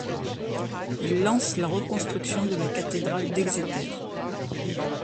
Il lance la reconstruction de la cathédrale d'Exeter.